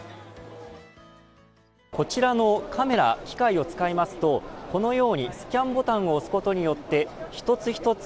こちらのカメラ機械を使いますとこのようにスキャンボタンを押すことによって一つ一つ